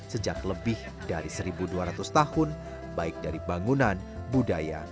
sejak lebih dari satu dua ratus tahun baik dari bangunan budaya